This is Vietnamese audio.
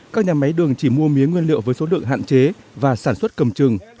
các nhà máy đường chỉ mua mía nguyên liệu với số lượng hạn chế và sản xuất cầm trừng